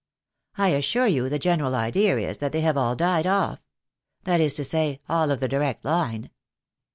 I assure you the general idea is that they have all died off. That is to say, all of the direct line."